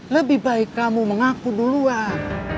lebih baik kamu mengaku duluan